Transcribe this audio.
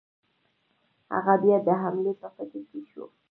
هغه بیا د حملې په فکر کې شو.